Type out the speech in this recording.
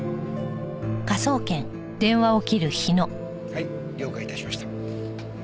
はい了解いたしました。